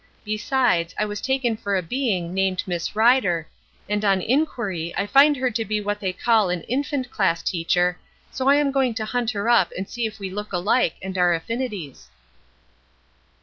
Besides, I was taken for a being named Miss Rider, and on inquiry I find her to be what they call an infant class teacher, so I am going to hunt her up and see if we look alike and are affinities."